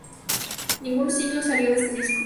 Ningún single salió de este disco.